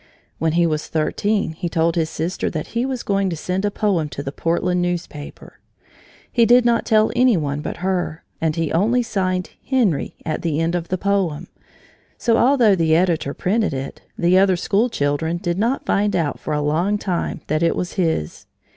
When he was thirteen, he told his sister that he was going to send a poem to the Portland newspaper. He did not tell any one but her, and he only signed "Henry" at the end of the poem, so although the editor printed it, the other school children did not find out for a long time that it was his.